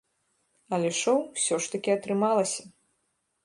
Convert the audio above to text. Але шоў усё ж такі атрымалася.